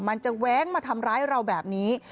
มันจะแว้งมาทำร้ายเราแบบนี้